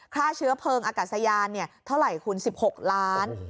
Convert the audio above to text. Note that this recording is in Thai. ค่าเชื้อเพลิงอากาศยานเท่าไหร่คุณ๑๖ล้าน